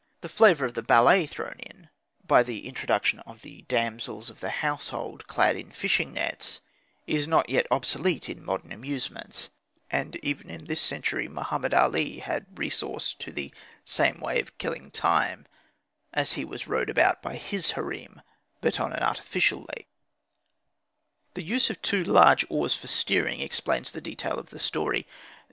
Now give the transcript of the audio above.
The flavour of the ballet thrown in, by the introduction of the damsels of the household clad in fishing nets, is not yet obsolete in modern amusements; and even in this century Muhammed Ali had resource to the same way of killing time, as he was rowed about by his harem, but on an artificial lake. The use of two large oars for steering explains the detail of the story.